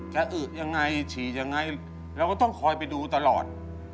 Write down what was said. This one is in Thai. อึยังไงฉี่ยังไงเราก็ต้องคอยไปดูตลอด